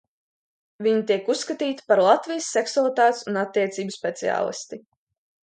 Viņa tiek uzskatīta par Latvijas seksualitātes un attiecību speciālisti.